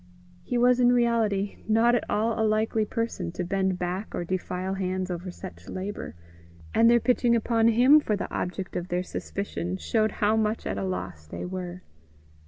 He was in reality not at all a likely person to bend back or defile hands over such labour, and their pitching upon him for the object of their suspicion, showed how much at a loss they were.